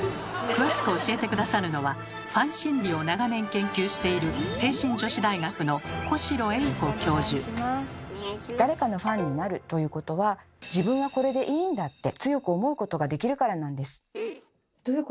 詳しく教えて下さるのはファン心理を長年研究している誰かのファンになるということは「自分はこれでいいんだ！」って強く思うことができるからなんです。